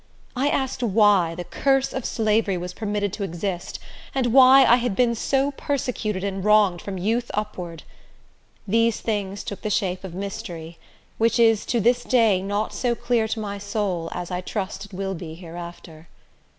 I asked why the curse of slavery was permitted to exist, and why I had been so persecuted and wronged from youth upward. These things took the shape of mystery, which is to this day not so clear to my soul as I trust it will be hereafter.